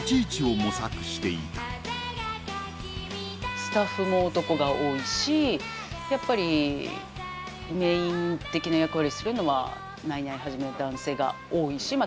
スタッフも男が多いしやっぱりメイン的な役割するのはナイナイはじめ男性が多いしまあ